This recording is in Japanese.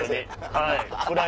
はい。